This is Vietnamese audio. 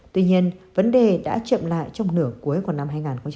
tuy nhiên vấn đề đã chậm lại trong nửa cuối của năm hai nghìn hai mươi